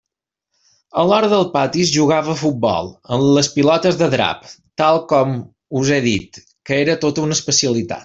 A l'hora del pati es jugava a futbol, amb les pilotes de drap, tal com us he dit, que era tota una especialitat.